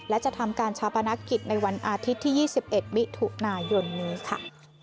และจะทำการชาปนักกิจในวันอาทิตย์ที่ยี่สิบเอ็ดมิถุนายนนี้ค่ะ